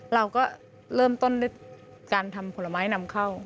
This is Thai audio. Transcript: เราก็เริ่มต้นด้วยการทำผลไม้นำเข้า